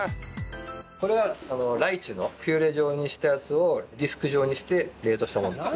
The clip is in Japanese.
これはライチのピューレ状にしたやつをディスク状にして冷凍したものです。